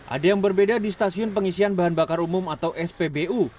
ada yang berbeda di stasiun pengisian bahan bakar umum atau spbu